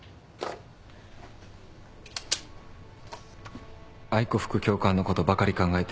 「愛子副教官のことばかり考えて眠れません」